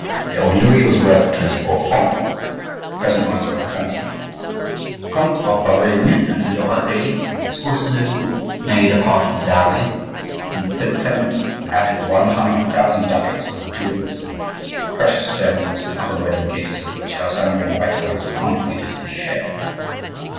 (The old louis was worth twenty four francs—the present one is worth twenty). The Comtes of Auvergne and Lauraguais were also made a part of the dowry, and Pope Clement added one hundred thousand ducats in jewels, precious stones, and other wedding gifts; to which Alessandro likewise contributed his share.